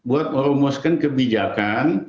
untuk merumuskan kebijakan